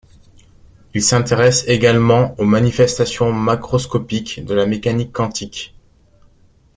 Il s'intéresse également aux manifestations macroscopiques de la mécanique quantique.